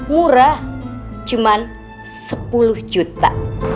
murah cuma sepuluh juta